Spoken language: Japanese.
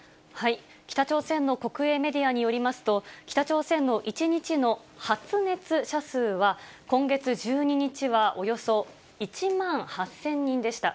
北朝鮮の国営メディアによりますと、北朝鮮の１日の発熱者数は、今月１２日はおよそ１万８０００人でした。